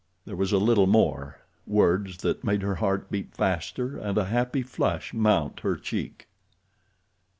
There was a little more—words that made her heart beat faster and a happy flush mount her cheek.